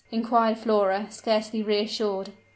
inquired Flora, scarcely reassured.